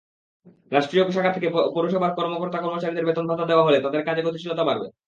রাষ্ট্রীয় কোষাগার থেকে পৌরসভার কর্মকর্তা-কর্মচারীদের বেতন-ভাতা দেওয়া হলে তাঁদের কাজে গতিশীলতা বাড়বে।